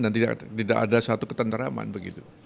dan tidak ada satu ketenteraman begitu